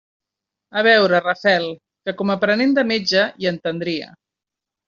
A veure Rafael, que, com a aprenent de metge, hi entendria.